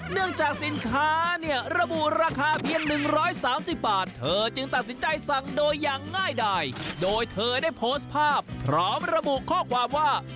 เนื่องจากสินค้าเนี่ยระบุราคาเพียง๑๓๐บาทเธอจึงตัดสินใจสั่งโดยอย่างง่ายดายโดยเธอได้โพสต์ภาพพร้อมระบุข้อความว่า